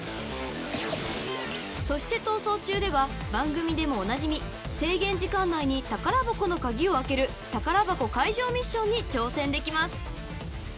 ［そして『逃走中』では番組でもおなじみ制限時間内に宝箱の鍵を開ける宝箱解錠ミッションに挑戦できます］